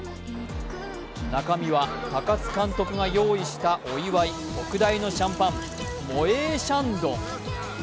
中身は高津監督が用意したお祝い、特大のシャンパン、モエ・エ・シャンドン。